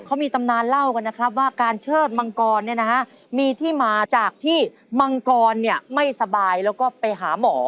เขามีตำนานเล่ากันนะครับว่าการเชิดมังกรเนี่ยนะฮะมีที่มาจากที่มังกรไม่สบายแล้วก็ไปหาหมอ